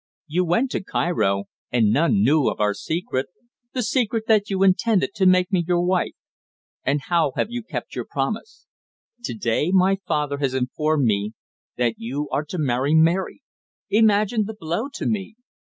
You went to Cairo, and none knew of our secret the secret that you intended to make me your wife. And how have you kept your promise? To day my father has informed me that you are to marry Mary! Imagine the blow to me!